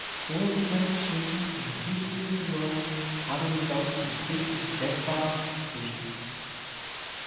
All the great achievements in the history of the world are the results of quick and steadfast decision.